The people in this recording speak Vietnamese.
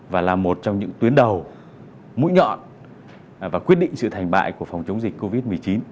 và là một trong những tuyến đầu mũi nhọn và quyết định sự thành bại của phòng chống dịch covid một mươi chín